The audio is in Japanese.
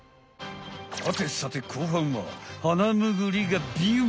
はてさて後半はハナムグリがビュン！